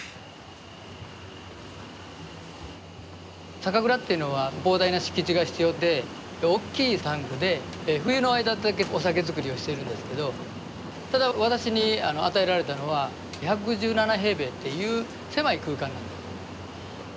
酒蔵っていうのは膨大な敷地が必要で大きいタンクで冬の間だけお酒づくりをしているんですけどただ私に与えられたのは１１７平米っていう狭い空間だった。